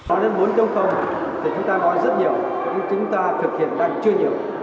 nói đến bốn thì chúng ta nói rất nhiều nhưng chúng ta thực hiện đang chưa nhiều